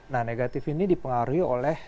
nah negatif ini dipengaruhi oleh